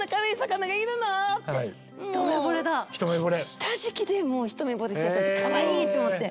下敷きでもう一目ぼれしちゃったんですかわいい！と思って。